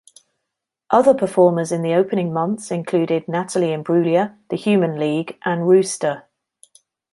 Other performers in the opening months included Natalie Imbruglia, The Human League and Rooster.